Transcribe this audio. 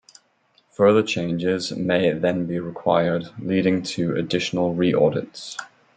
Further changes may then be required, leading to additional re-audits.